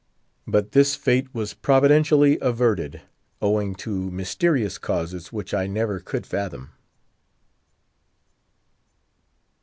But this fate was providentially averted, owing to mysterious causes which I never could fathom.